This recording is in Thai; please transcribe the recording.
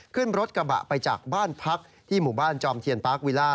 ขึ้นรถกระบะไปจากบ้านพักที่หมู่บ้านจอมเทียนปาร์ควิล่า